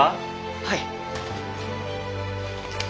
はい。